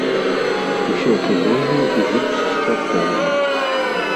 Усё прыгожа і жыццесцвярджальна.